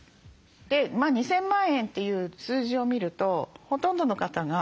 ２，０００万円という数字を見るとほとんどの方が引きます。